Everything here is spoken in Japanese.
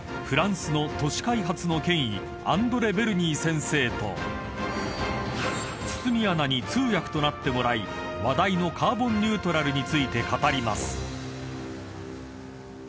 フランスの都市開発の権威アンドレ・ヴェルニー先生と堤アナに通訳となってもらい話題のカーボンニュートラルについて語ります］